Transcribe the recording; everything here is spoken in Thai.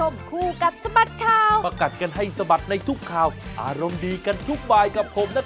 ไม่มีเวลาจะหยุดกินยังงานจะกลับแล้ว